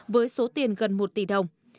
với số tiền gần một tỷ đồng